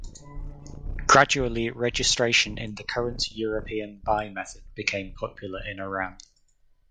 Gradually registration in the current European bye method became popular in Iran.